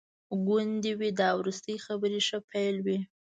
ګوندي وي دا وروستي خبري ښه پیل وي.